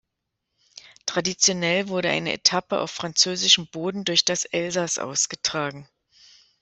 Traditionell wurde eine Etappe auf französischem Boden durch das Elsass ausgetragen.